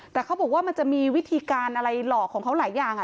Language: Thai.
แต่เขาบอกว่ามันจะมีวิธีการอะไรหลอกของเขาหลายอย่าง